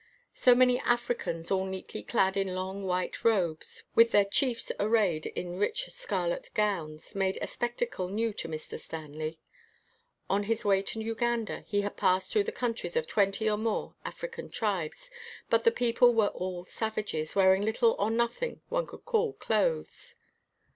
So many Africans all neatly clad in long white robes, with their chiefs arrayed in rich scarlet gowns, made a spec tacle new to Mr. Stanley. On his way to Uganda, he had passed through the coun tries of twenty or more African tribes, but .7. WHITE MAN OF WORK the people were all savages, wearing little or nothing one could call clothes.